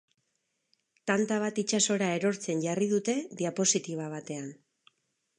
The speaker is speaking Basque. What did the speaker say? Tanta bat itsasora erortzen jarri dute diapositiba batean.